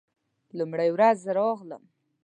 لومړۍ ورځ زه ورغلم.